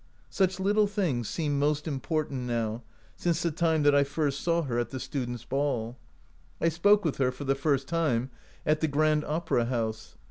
" Such little things seem most important now, since the time that I first saw her at 18 OUT OF BOHEMIA the students' ball. I spoke with her for the first time at the Grand Opera house.